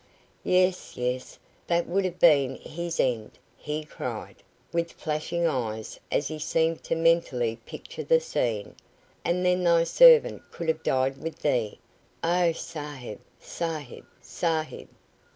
Yes, yes, that would have been his end," he cried, with flashing eyes, as he seemed to mentally picture the scene; "and then thy servant could have died with thee. Oh, Sahib, Sahib, Sahib!"